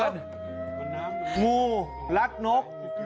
งูรักนก